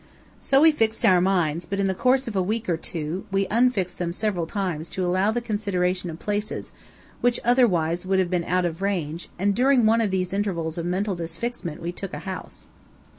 So we fixed our minds, but in the course of a week or two we unfixed them several times to allow the consideration of places, which otherwise would have been out of range; and during one of these intervals of mental disfixment we took a house.